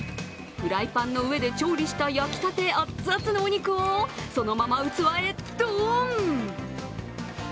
フライパンの上で調理した焼きたて熱々のお肉をそのまま器へドン！